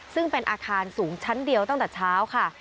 ซึ่งเป็นอาคารสูงชั้นเดียวตั้งแต่เช้าค่ะ